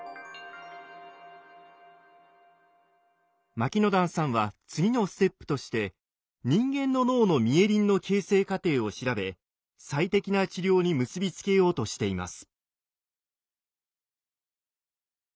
牧之段さんは次のステップとして人間の脳のミエリンの形成過程を調べ最適な治療に結び付けようとしています。